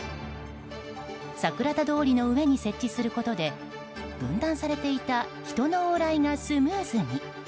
桜田通りの上に設置することで分断されていた人の往来がスムーズに。